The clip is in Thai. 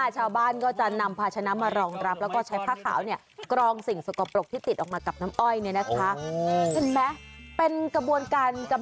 ชาวบ้านก็จะนำพาชนะมารองรับแล้วก็ใช้ผ้าขาวเนี่ยกรองสิ่งสกปรกที่ติดออกมากับน้ำอ้อยเนี่ยนะคะ